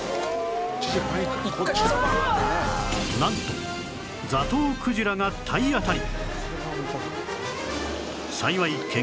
なんとザトウクジラが体当たり！